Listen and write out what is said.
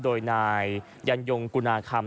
โดยนายยันยงกุณาคำ